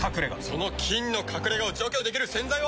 その菌の隠れ家を除去できる洗剤は。